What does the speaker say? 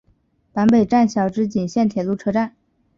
坂北站筱之井线铁路车站。